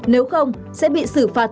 nếu không sẽ bị sử phạt